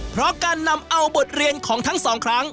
เพราะการนำเอาบทเรียนของทั้งสองครั้ง